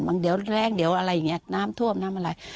มันเดี๋ยวแรงเดี๋ยวอะไรอย่างนี้น้ำท่วมน้ำอะไร